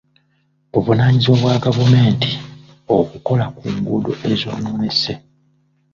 Buvunaanyizibwa bwa gavumenti okukola ku nguudo ezonoonese.